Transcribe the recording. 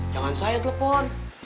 jangan saya telepon